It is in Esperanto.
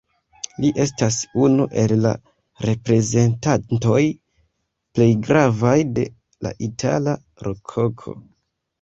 Li estas unu el la reprezentantoj plej gravaj de la itala Rokoko.